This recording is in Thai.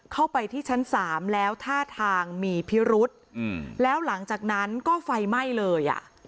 เข้าไปที่ชั้นสามแล้วท่าทางมีพิรุษแล้วหลังจากนั้นก็ไฟไหม้เลยอ่ะ